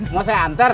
mau saya hantar